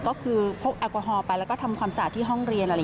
ก็คือพกแอลกอฮอล์ไปแล้วก็ทำความสะอาดที่ห้องเรียน